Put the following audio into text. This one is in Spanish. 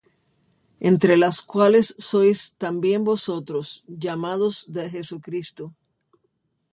Entre las cuales sois también vosotros, llamados de Jesucristo: